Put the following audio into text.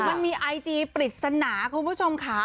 มันมีไอจีปริศนาคุณผู้ชมค่ะ